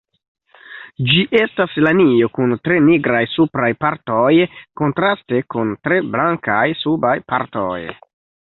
Ĝi estas lanio kun tre nigraj supraj partoj kontraste kun tre blankaj subaj partoj.